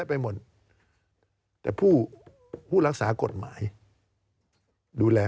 การเลือกตั้งครั้งนี้แน่